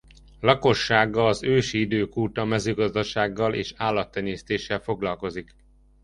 Lakossága az ősi idők óta mezőgazdasággal és állattenyésztéssel foglalkozik.